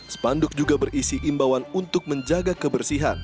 spanduk juga berisi imbauan untuk menjaga kebersihan